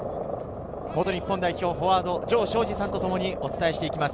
元日本代表フォワード・城彰二さんとともにお伝えします。